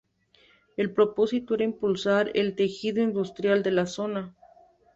El propósito era impulsar el tejido industrial de la zona.